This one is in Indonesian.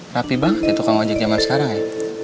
rapi banget ya tukang ojek zaman sekarang ya